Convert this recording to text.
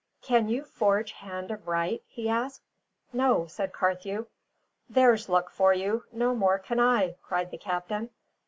"Can you forge hand of write?" he asked. "No," said Carthew. "There's luck for you no more can I!" cried the captain.